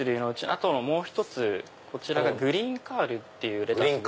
あともう１つこちらがグリーンカールっていうレタスで。